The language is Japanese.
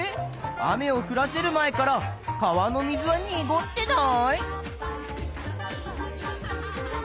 雨をふらせる前から川の水はにごってない？